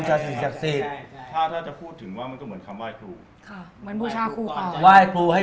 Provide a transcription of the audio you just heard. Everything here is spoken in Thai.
ใช่